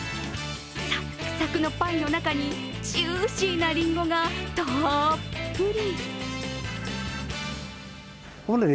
サクサクのパイの中にジューシーなりんごがたっぷり。